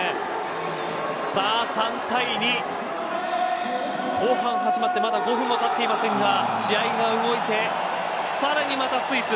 さあ３対２、後半始まってまだ５分たっていませんが試合が動いてさらにまたスイス。